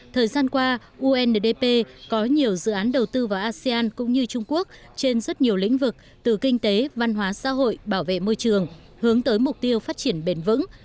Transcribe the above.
thời gian qua undp có nhiều dự án đầu tư vào asean cũng như trung quốc trên rất nhiều lĩnh vực từ kinh tế văn hóa xã hội bảo vệ môi trường hướng tới mục tiêu phát triển bền vững